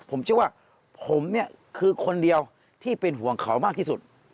ผมเชื่อว่าผมเนี่ยคือคนเดียวที่เป็นห่วงเขามากที่สุด